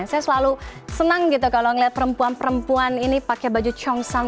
saya selalu senang kalau melihat perempuan perempuan ini pakai baju chongsam